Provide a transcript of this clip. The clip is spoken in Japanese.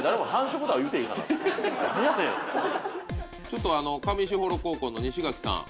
ちょっとあの上士幌高校の西垣さん。